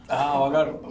あ分かる！